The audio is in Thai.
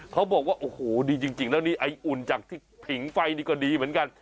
เขาบอกว่าโอ้โหดีจริงแล้วนี่ไอ้อุ่นจากที่ผิงไฟนี่ก็ดีเหมือนกัน